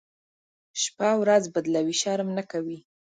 شپه ورځ بدلوي، شرم نه کوي.